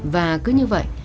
và cứ như vậy